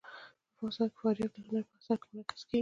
افغانستان کې فاریاب د هنر په اثار کې منعکس کېږي.